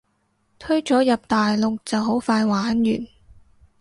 推咗入大陸就好快玩完